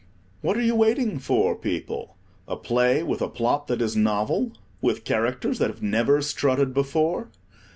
What are you waiting for, people? a play with a plot that is novel, with characters that have never strutted before?